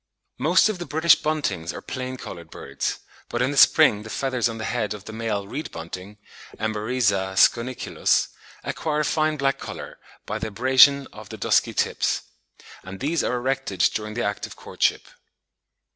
Most of the British Buntings are plain coloured birds; but in the spring the feathers on the head of the male reed bunting (Emberiza schoeniculus) acquire a fine black colour by the abrasion of the dusky tips; and these are erected during the act of courtship.